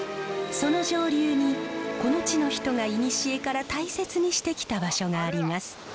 その上流にこの地の人がいにしえから大切にしてきた場所があります。